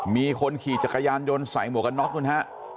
มีคนขี่จักรยานยนต์ใส่หมวกกันน็อกนู่นฮะ